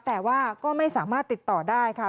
แต่ว่าก็ไม่สามารถติดต่อได้ค่ะ